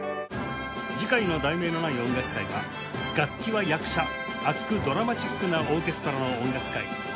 次回の『題名のない音楽会』は「楽器は役者！熱くドラマチックなオーケストラの音楽会後編」